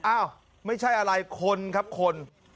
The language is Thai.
อ้าวไม่ใช่อะไรคนครับคน